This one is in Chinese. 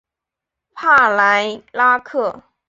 帕莱拉克。